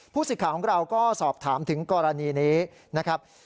ผู้ศึกษาของเราก็สอบถามถึงกรณีนี้นะครับ